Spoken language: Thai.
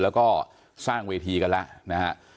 แล้วก็สร้างเวทีกันแล้วนะฮะ